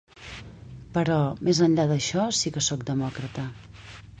Però més enllà d’això, sí que sóc demòcrata.